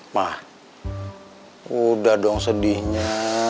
ma udah dong sedihnya